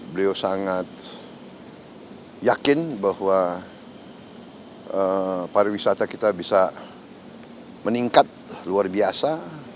beliau sangat yakin bahwa pariwisata kita bisa meningkat luar biasa